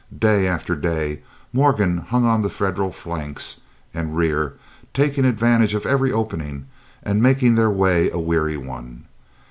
Day after day Morgan hung on the Federal flanks and rear, taking advantage of every opening, and making their way a weary one.